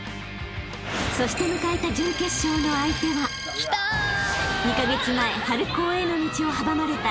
［そして迎えた準決勝の相手は２カ月前春高への道を阻まれた共栄学園］